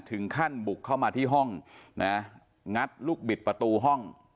ถึงขั้นบุกเข้ามาที่ห้องนะงัดลูกบิดประตูห้อง